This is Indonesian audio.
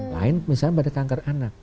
lain misalnya pada kanker anak